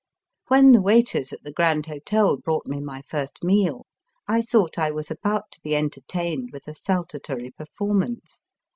When the waiters at the Grand Hotel brought me my first meal, I thought I was about to be entertained with a saltatory performance.